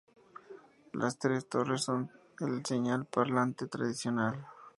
Las tres torres son el señal parlante tradicional.